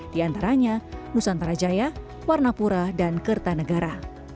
diantaranya nusantara jaya warna pura dan kerta negara